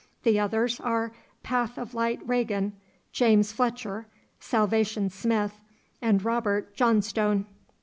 The others are Path of Light Regan, James Fletcher, Salvation Smith, and Robert Johnstone.